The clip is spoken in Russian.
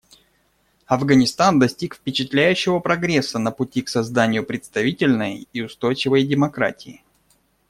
Афганистан достиг впечатляющего прогресса на пути к созданию представительной и устойчивой демократии.